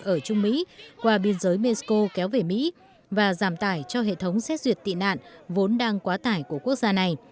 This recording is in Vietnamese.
ở trung mỹ qua biên giới mexico kéo về mỹ và giảm tải cho hệ thống xét duyệt tị nạn vốn đang quá tải của quốc gia này